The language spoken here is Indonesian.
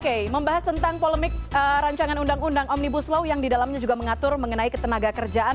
oke membahas tentang polemik rancangan undang undang omnibus law yang didalamnya juga mengatur mengenai ketenaga kerjaan